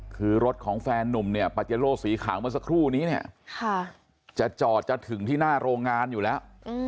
คือรถของแฟนนุ่มเนี่ยปาเจโลสีขาวเมื่อสักครู่นี้เนี่ยจะจอดจะถึงที่หน้าโรงงานอยู่แล้ว